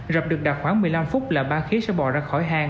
rập được đặt khoảng một mươi năm phút là ba khía sẽ bỏ ra khỏi hàng